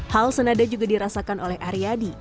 hal senada juga dirasakan oleh aryadi